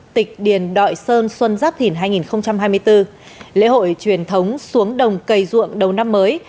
tịch điền đội sơn xuân giáp thìn hai nghìn hai mươi bốn lễ hội truyền thống xuống đồng cây ruộng đầu năm mới